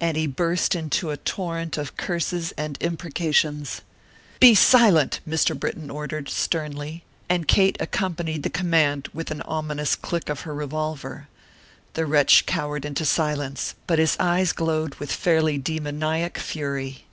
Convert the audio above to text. and he burst into a torrent of curses and imprecations. "Be silent!" Mr. Britton ordered, sternly, and Kate accompanied the command with an ominous click of her revolver. The wretch cowered into silence, but his eyes glowed with fairly demoniac fury.